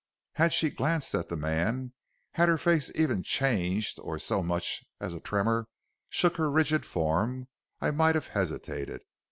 "Had she glanced at the man, had her face even changed, or so much as a tremor shook her rigid form, I might have hesitated.